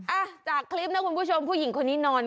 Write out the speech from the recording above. อ่ะจากคลิปนะคุณผู้ชมผู้หญิงคนนี้นอน